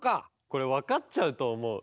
これわかっちゃうとおもう。